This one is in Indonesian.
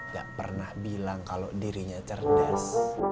gak pernah bilang kalau dirinya cerdas